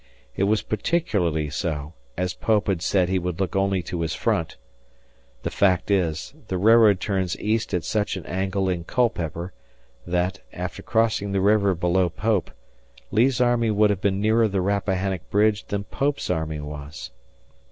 It was particularly so, as Pope had said he would look only to his front. The fact is, the railroad turns east at such an angle in Culpeper that, after crossing the river below Pope, Lee's army would have been nearer the Rappahannock bridge than Pope's army was.